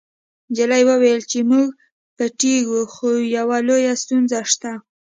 نجلۍ وویل چې موږ پټیږو خو یوه لویه ستونزه شته